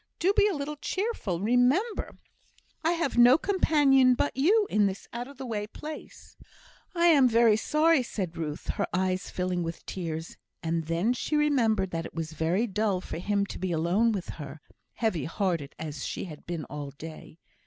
Do be a little cheerful. Remember, I have no companion but you in this out of the way place." "I am very sorry, sir," said Ruth, her eyes filling with tears; and then she remembered that it was very dull for him to be alone with her, heavy hearted as she had been all day.